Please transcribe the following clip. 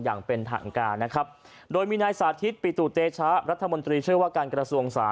อย่างเป็นทางการนะครับโดยมีนายสาธิตปิตุเตชะรัฐมนตรีเชื่อว่าการกระทรวงสาธา